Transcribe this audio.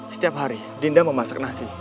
setiap hari dinda memasak nasi